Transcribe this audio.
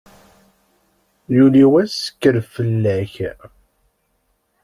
Yuli wass, kker fell-ak!